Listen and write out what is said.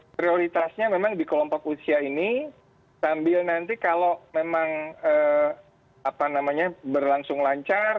prioritasnya memang di kelompok usia ini sambil nanti kalau memang berlangsung lancar